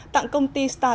tặng công ty star telecom